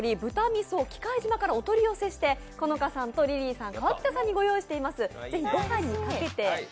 みそ喜界島からお取り寄せして、濃いのかさんとリリーさんにご用意しています。